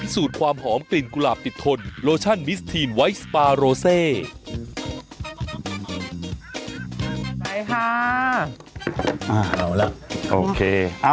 สูตรความหอมกลิ่นกุหลาบติดทนโลชั่นมิสทีนไวท์สปาโรเซ